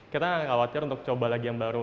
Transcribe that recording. kita khawatir untuk coba lagi yang baru